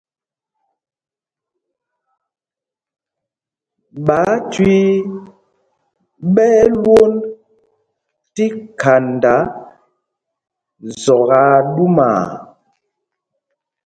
Ɓááthüii ɓɛ́ ɛ́ lwond tí khanda zɔk aa ɗumaa.